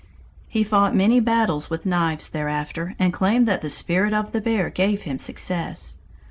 He fought many battles with knives thereafter and claimed that the spirit of the bear gave him success.